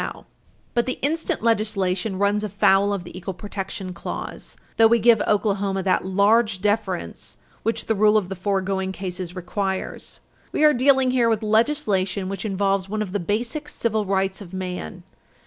541 But the instant legislation runs afoul of the equal protection clause, though we give Oklahoma that large deference which the rule of the foregoing cases requires. We are dealing here with legislation which involves one of the basic civil rights of man.